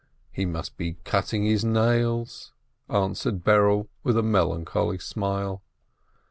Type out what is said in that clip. "He must be cutting his nails/' answered Berele, with a melancholy smile.